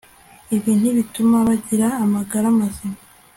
Ibi ntibituma bagira amagara mazima